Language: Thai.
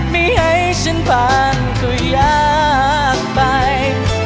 ไม่ให้ฉันผ่านก็ยากไป